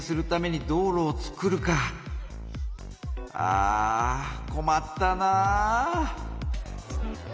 あこまったなぁ。